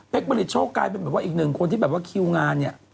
เป๊กบริชโชคกลายเป็นอีกหนึ่งคนที่คิวงานเนี่ย